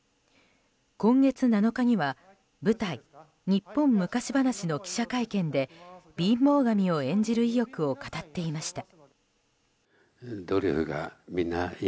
今月７日には舞台「日本昔ばなし」の記者会見で貧乏神を演じる意欲を語っていました。